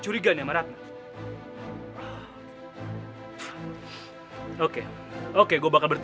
berikanlah petunjuk ya allah